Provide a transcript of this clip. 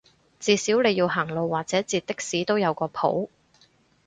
至少你要行路或者截的士都有個譜